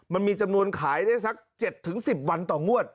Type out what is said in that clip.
มันมีจำนวนขายได้สัก๗๑๐วันต่องวด